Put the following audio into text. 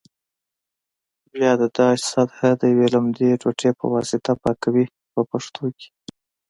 بیا د داش سطحه د یوې لمدې ټوټې په واسطه پاکوي په پښتو کې.